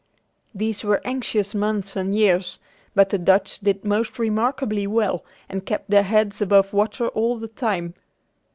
These were anxious months and years, but the Dutch did most remarkably well and kept their heads above water all the time.